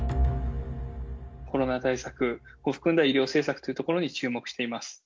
コロナ対策を含んだ医療政策というところに注目しています。